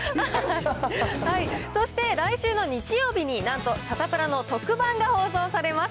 そして、来週の日曜日に、なんとサタプラの特番が放送されます。